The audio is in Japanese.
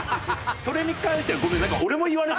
それに関してはごめん。